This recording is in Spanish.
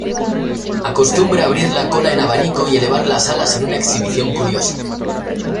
Acostumbra abrir la cola en abanico y elevar las alas en una exhibición curiosa.